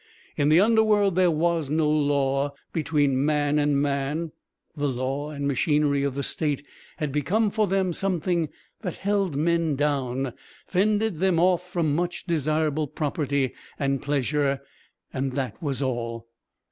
In the Underworld there was no law between man and man; the law and machinery of the state had become for them something that held men down, fended them off from much desirable property and pleasure, and that was all.